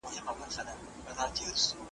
تاته به څرنګه غزل په اوښکو ولمبوم .